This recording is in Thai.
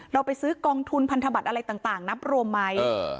เราไปซื้อกองทุนพันธบัตรอะไรต่างนับรวมไหม